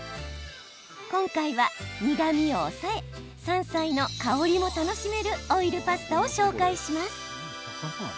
今回は、苦みを抑え山菜の香りも楽しめるオイルパスタを紹介します。